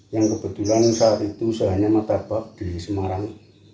yang kebetulan saat itu sehanya martabak di semarang